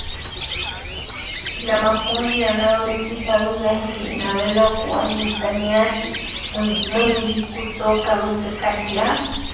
na makundi yanayohusika Lugha hii inaweza kuwa na msamiati mwingi kutoka lugha kati ya